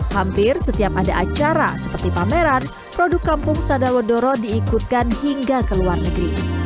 hampir setiap ada acara seperti pameran produk kampung sadawedoro diikutkan hingga ke luar negeri